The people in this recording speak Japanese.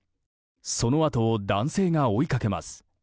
そのあとを男性が追いかけます。